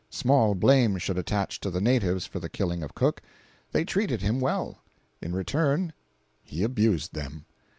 Small blame should attach to the natives for the killing of Cook. They treated him well. In return, he abused them.